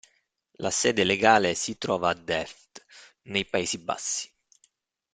La sede legale si trova a Delft, nei Paesi Bassi.